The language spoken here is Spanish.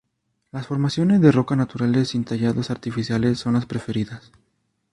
Las formaciones de roca naturales, sin tallados artificiales son las preferidas.